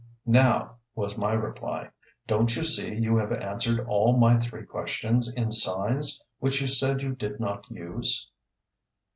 "Now," was my reply, "don't you see you have answered all my three questions in signs which you said you did not use?"